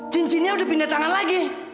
cincinnya udah pindah tangan lagi